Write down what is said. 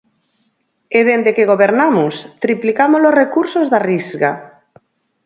E dende que gobernamos triplicamos os recursos da Risga.